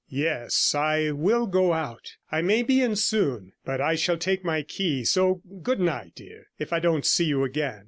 Yes, I will go out; I may be in soon, but I shall take my key; so goodnight, dear, if I don't see you again.'